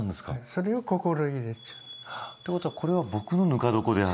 それを「心入れ」というの。ということはこれは僕のぬか床であって。